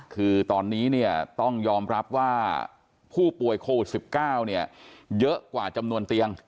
คือตอนนี้เนี่ยต้องยอมรับว่าผู้ป่วยโควิด๑๙เยอะกว่าจำนวนเตียง